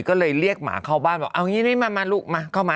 ก็เลยเรียกหมาเข้าบ้านบอกเอางี้นี่มาลูกมาเข้ามา